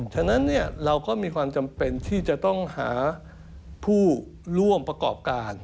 ฉะนั้นเราก็มีความจำเป็นที่จะต้องหาผู้ร่วมประกอบการ